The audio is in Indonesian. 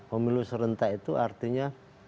pemilu serentak itu artinya mengikat bagi semua partai partai